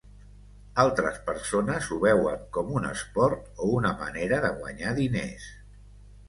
Altres persones ho veuen com un esport o una manera de guanyar diners.